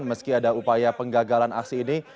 meski ada upaya penggagalan aksi ini